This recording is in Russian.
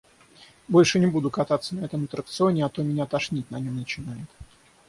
Больше не буду кататься на этом аттракционе, а то меня тошнить на нём начинает.